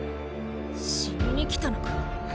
死にに来たのか？